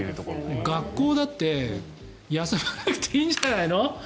学校だって休まなくていいんじゃないの。